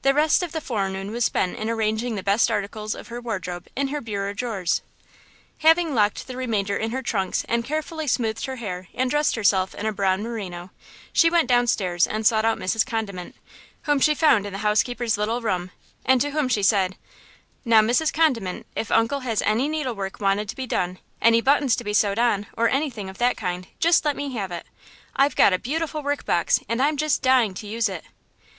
The rest of the forenoon was spent in arranging the best articles of her wardrobe in her bureau drawers. Having locked the remainder in her trunks and carefully smoothed her hair, and dressed herself in a brown merino, she went down stairs and sought out Mrs. Condiment, whom she found in the housekeeper's little room, and to whom she said: "Now, Mrs. Condiment, if uncle has any needlework wanted to be done, any buttons to be sewed on, or anything of that kind, just let me have it; I've got a beautiful work box, and I'm just dying to use it."